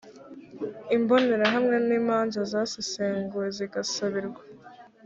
imbonerahamwe no imanza zasesenguwe zigasabirwa